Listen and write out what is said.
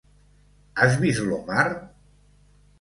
Has vist l'Omar?